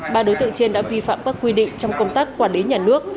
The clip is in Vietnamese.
ba đối tượng trên đã vi phạm các quy định trong công tác quản lý nhà nước